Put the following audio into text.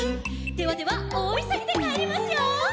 「ではではおおいそぎでかえりますよ」